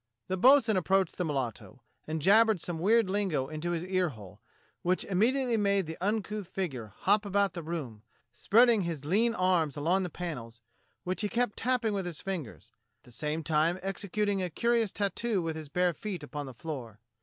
"The bo'sun approached the mulatto, and jabbered some weird lingo into his ear hole, which immediately made the uncouth figure hop about the room, spreading his lean arms along the panels, which he kept tapping with his fingers, at the same time executing a curious tattoo with his bare feet upon the floor.